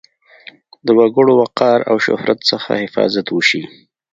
د وګړو وقار او شهرت څخه حفاظت وشي.